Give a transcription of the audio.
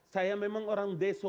saya memang orang deso